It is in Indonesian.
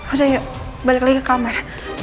udah yuk balik lagi ke kamar